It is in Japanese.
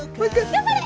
頑張れ！